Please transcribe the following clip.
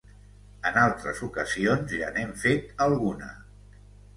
En altres ocasions ja n'hem fet alguna